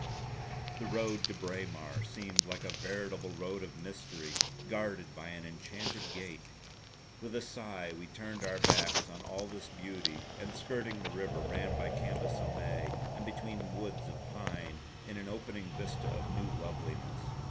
The road to Braemar seemed like a veritable road of mystery, guarded by an enchanted gate. With a sigh we turned our backs on all this beauty, and skirting the river, ran by Cambus o May and between woods of pine in an opening vista of new loveliness.